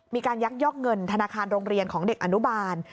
ยักยอกเงินธนาคารโรงเรียนของเด็กอนุบาล